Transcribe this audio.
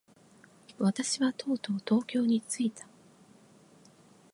私はとうとう東京に着いた。